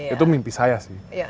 itu mimpi saya sih